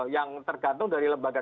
yang tergantung dari lembaga